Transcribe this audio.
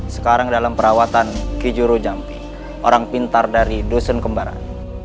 sekarang dalam perawatan kijoro jampi orang pintar dari dusun kembaran